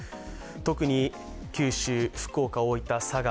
特に九州、福岡、大分、佐賀。